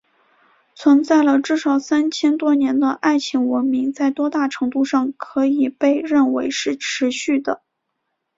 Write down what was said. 存在了至少三千多年的爱琴文明在多大程度上可以被认为是持续的？